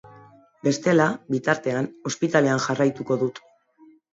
Bestela, bitartean, ospitalean jarraituko dut.